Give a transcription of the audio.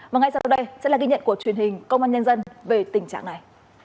và ngay sau đây sẽ là ghi nhận của truyền hình công an nhân dân về tình trạng này